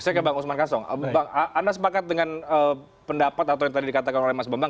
saya ke bang usman kasong anda sepakat dengan pendapat atau yang tadi dikatakan oleh mas bambang